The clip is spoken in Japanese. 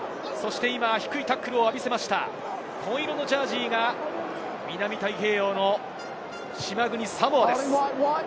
低いタックルを浴びせました紺色のジャージーが南太平洋の島国・サモアです。